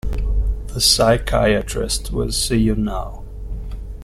The psychiatrist will see you now.